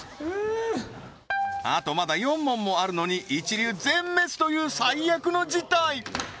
あとまだ４問もあるのに一流全滅という最悪の事態